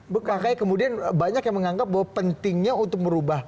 makanya kemudian banyak yang menganggap bahwa pentingnya untuk merubah